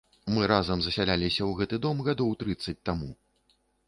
Мы разам засяляліся ў гэты дом гадоў трыццаць таму.